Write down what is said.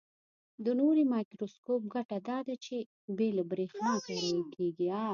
د نوري مایکروسکوپ ګټه داده چې بې له برېښنا کارول کیږي.